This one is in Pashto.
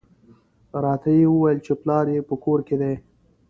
راته یې وویل چې پلار یې په کور کې دی.